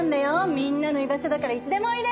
みんなの居場所だからいつでもおいで。